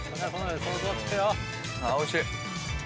おいしい。